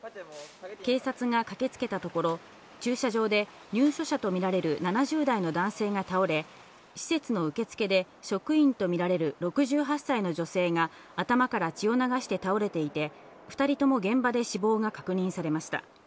警察が駆けつけたところ、駐車場で入所者とみられる７０代の男性が倒れ、施設の受け付けで職員とみられる６８歳の女性が頭から血を流して倒れていて、２人とも現場で死亡が確認されました。